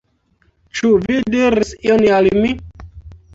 Ĉu vi diris ion al mi?